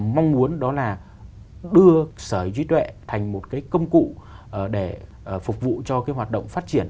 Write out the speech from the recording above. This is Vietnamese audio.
mong muốn đó là đưa sở hữu trí tuệ thành một cái công cụ để phục vụ cho cái hoạt động phát triển